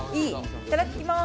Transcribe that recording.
いただっきます！